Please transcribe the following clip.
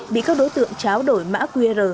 bị các đối tượng tráo đổi mã qr